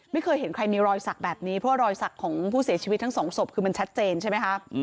ไม่เคยเห็นใครมีรอยสักแบบนี้เพราะว่ารอยสักของผู้เสียชีวิตทั้งสองศพคือมันชัดเจนใช่ไหมคะ